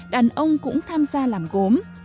đàn ông cũng tham gia làm gốm